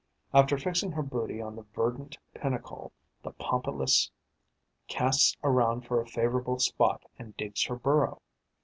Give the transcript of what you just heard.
After fixing her booty on the verdant pinnacle, the Pompilus casts around for a favourable spot and digs her burrow.